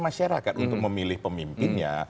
masyarakat untuk memilih pemimpinnya